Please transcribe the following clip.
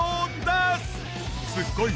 すっごいよ。